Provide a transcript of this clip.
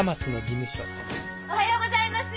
おはようございます！